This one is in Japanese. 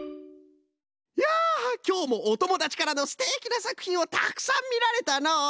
きょうもおともだちからのすてきなさくひんをたくさんみられたのう！